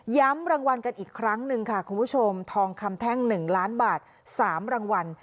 รางวัลกันอีกครั้งหนึ่งค่ะคุณผู้ชมทองคำแท่ง๑ล้านบาท๓รางวัล